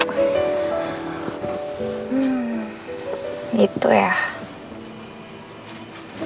oke tapi nanti pas kita udah nikah aku boleh pelukin kamu sepuasnya kan